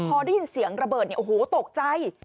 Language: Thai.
พอได้ยินเสียงระเบิดเนี่ยโอ้โหตกใจ